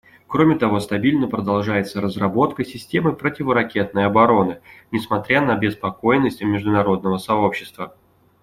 Кроме того, стабильно продолжается разработка системы противоракетной обороны, несмотря на обеспокоенность международного сообщества.